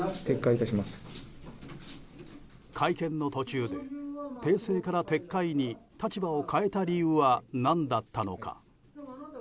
会見の途中で訂正から撤回に立場を変えた理由は何だったのか。